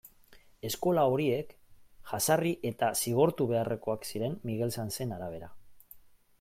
Eskola horiek jazarri eta zigortu beharrekoak ziren Miguel Sanzen arabera.